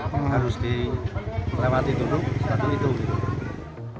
jadi harus dilewati dulu satu itu